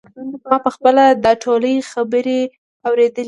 ما په خپله دا ټولې خبرې اورېدلې دي.